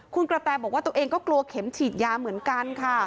คุณกระแตบอกว่าตัวเองก็กลัวเข็มฉีดยาเหมือนกันค่ะ